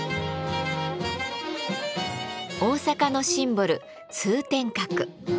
大阪のシンボル通天閣。